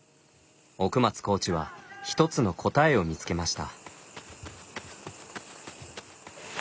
奥松コーチは１つの答えを見つけました。